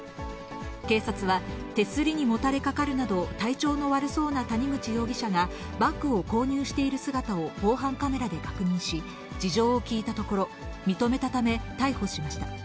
警察は、手すりにもたれかかるなど、体調の悪そうな谷口容疑者が、バッグを購入している姿を防犯カメラで確認し、事情を聴いたところ、認めたため、逮捕しました。